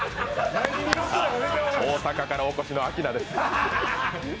大阪からお越しのアキナです。